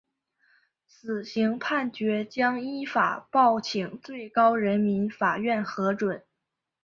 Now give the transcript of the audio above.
死刑判决将依法报请最高人民法院核准。